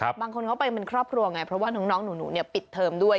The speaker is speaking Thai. บางคนเขาไปเป็นครอบครัวไงเพราะว่าน้องหนูเนี่ยปิดเทอมด้วย